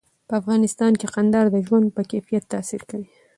په افغانستان کې کندهار د ژوند په کیفیت تاثیر کوي.